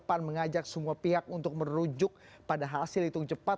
pan mengajak semua pihak untuk merujuk pada hasil hitung cepat